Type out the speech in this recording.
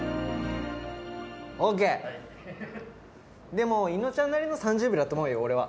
錬法任伊野尾ちゃんなりの３０秒だと思うよ俺は。